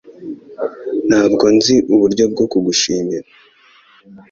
Ntabwo nzi uburyo bwo kugushimira